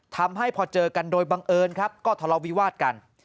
ทำให้พอเจอกันโดยบังเอิญครับก็ทะเลาวิวาสกัน